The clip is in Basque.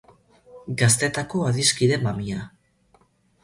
Gaztetako adiskide mamia.